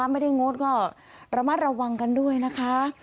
งดก็ระมัดระวังกันด้วยนะคะ